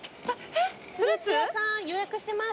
フルーツ屋さん予約してます。